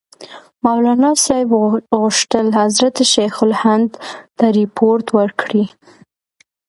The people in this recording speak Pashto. مولناصاحب غوښتل حضرت شیخ الهند ته رپوټ ورکړي.